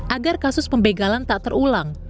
agar kasus pembegalan tak terulang